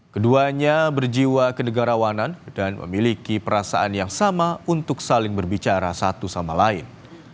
keduanya berjiwa kenegarawanan dan memiliki perasaan yang sama untuk saling berbicara satu sama lain